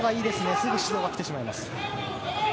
すぐ、指導がきてしまいます。